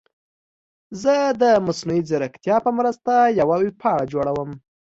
زه د مصنوعي ځیرکتیا په مرسته یوه ویب پاڼه جوړوم.